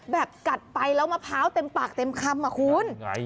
กัดไปแล้วมะพร้าวเต็มปากเต็มคำอะคุณ